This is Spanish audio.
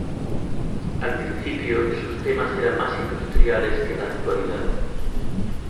Al principio, sus temas eran más industriales que en la actualidad.